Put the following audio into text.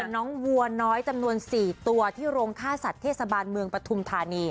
น้องวัวน้อยจำนวน๔ตัวที่โรงฆ่าสัตว์เทศบาลเมืองปฐุมธานี